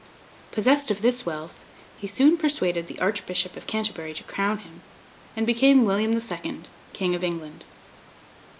Possessed of this wealth, he soon persuaded the Archbishop of Canterbury to crown him, and became William the Second, King of England.